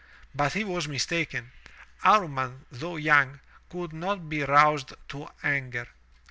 But he was mistaken. Amman, though young, could not be roused to anger.